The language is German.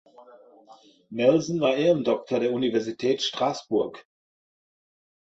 Nelson war Ehrendoktor der Universität Straßburg.